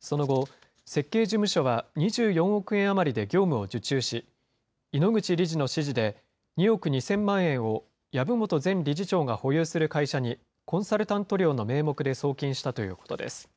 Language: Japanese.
その後、設計事務所は２４億円余りで業務を受注し、井ノ口理事の指示で２億２０００万円を籔本前理事長が保有する会社にコンサルタント料の名目で送金したということです。